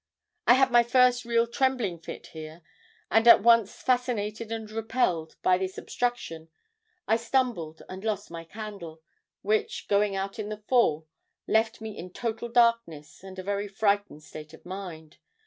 I had my first real trembling fit here, and at once fascinated and repelled by this obstruction I stumbled and lost my candle, which, going out in the fall, left me in total darkness and a very frightened state of mind.